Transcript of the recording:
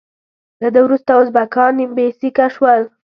له ده وروسته ازبکان بې سیکه شول.